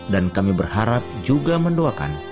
dan kami berharap juga mendoakan